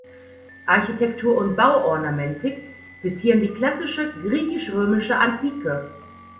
Architektur und Bauornamentik zitieren die klassische, griechisch-römische Antike.